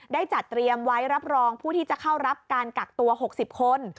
ได้จัดเตรียมไว้รับรองผู้ที่จะเข้ารับการกักตัว๖๐คน